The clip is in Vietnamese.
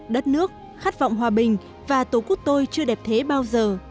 đất nước khát vọng hòa bình và tổ quốc tôi chưa đẹp thế bao giờ